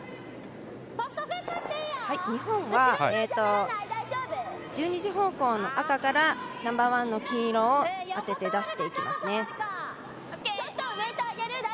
日本は１２時方向の赤からナンバーワンの黄色を当てて出していきますね。